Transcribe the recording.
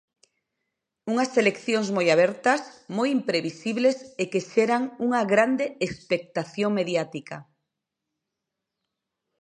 Unhas eleccións moi abertas, moi imprevisibles e que xeran unha grande expectación mediática.